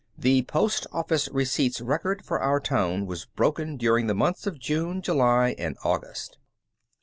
The postoffice receipts record for our town was broken during the months of June, July, and August.